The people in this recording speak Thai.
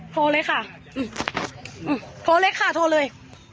โทรเลยค่ะโทรเลยค่ะโทรเลย